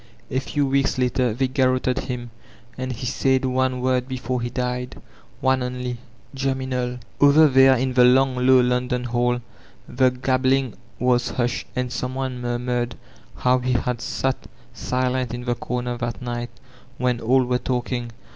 A few weeks later they garrotted him, and he said one word before he died,— one only, "Gemunal." Over there in the long tow London hall the gabbBiv was hushed, and some one murmured how he had sal The Heart of Angioullo 431 silent b the corner that njgfat when all were talking.